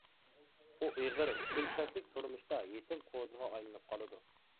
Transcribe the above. ئۇ ئېغىر، كۈلپەتلىك تۇرمۇشتا يېتىم قوزىغا ئايلىنىپ قالىدۇ.